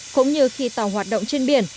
cũng như khi tàu hoạt động trên đường